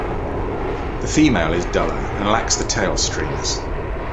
The female is duller and lacks the tail streamers.